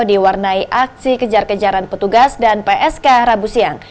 diwarnai aksi kejar kejaran petugas dan psk rabu siang